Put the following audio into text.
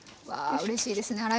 わあうれしいですね